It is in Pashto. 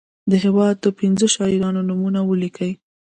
د هیواد د پنځو شاعرانو نومونه ولیکي.